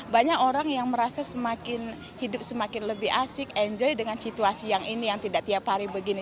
banyak orang yang merasa hidup semakin lebih asik enjoy dengan situasi yang ini yang tidak tiap hari begini